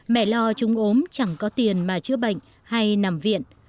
mẹ lo chúng ốm chẳng có tiền mà chữa bệnh hay nằm viện